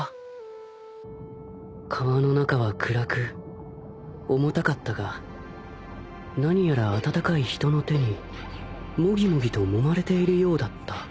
川の中は暗く重たかったが何やら温かい人の手にもぎもぎともまれているようだった